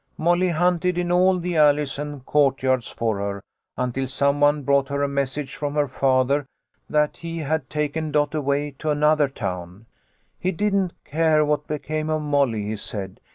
Molly hunted in all the alleys and courtyards for her, until some one brought her a message from her father, that he had taken Dot away to another town. He didn't care what became of Molly, he said.